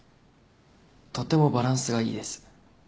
とってもバランスがいいです。